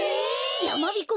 やまびこ